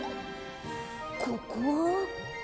ここは？